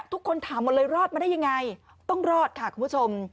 ทุกคนถามหมดเลยรอดมาได้ยังไงต้องรอดค่ะคุณผู้ชม